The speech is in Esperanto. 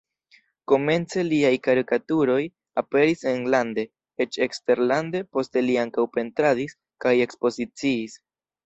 Komence liaj karikaturoj aperis enlande, eĉ eksterlande, poste li ankaŭ pentradis kaj ekspoziciis.